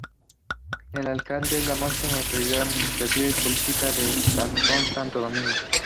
El Alcalde es la máxima autoridad administrativa y política del Cantón Santo Domingo.